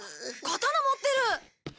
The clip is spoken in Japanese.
刀持ってる。